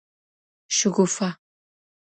شګوفه